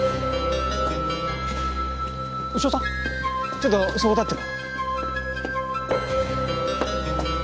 ちょっとそこ立ってろ。